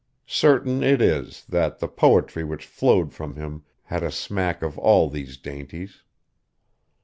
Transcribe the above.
Certain it is, that the poetry which flowed from him had a smack of all these dainties.